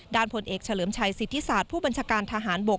ผลเอกเฉลิมชัยสิทธิศาสตร์ผู้บัญชาการทหารบก